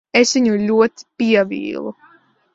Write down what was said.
Es viņu ļoti pievīlu.